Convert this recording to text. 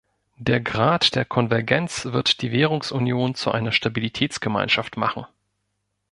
Der Grad der Konvergenz wird die Währungsunion zu einer Stabilitätsgemeinschaft machen.